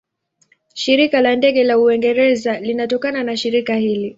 Shirika la Ndege la Uingereza linatokana na shirika hili.